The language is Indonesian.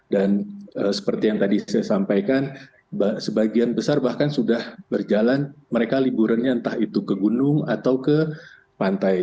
dan seperti yang tadi saya sampaikan sebagian besar bahkan sudah berjalan mereka liburannya entah itu ke gunung atau ke pantai